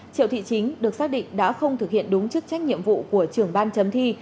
triệu thị chính được xác định đã không thực hiện đúng chức trách nhiệm vụ của trưởng ban chấm thi